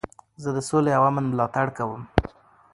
زه د سولي او امن ملاتړ کوم.